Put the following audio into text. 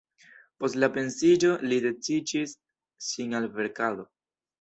Post la pensiiĝo li dediĉis sin al verkado.